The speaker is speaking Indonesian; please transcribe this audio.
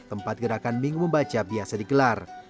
tempat gerakan minggu membaca biasa digelar